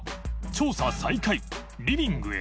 稍敢再開リビングへ